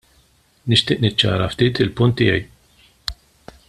Nixtieq niċċara ftit il-punt tiegħi.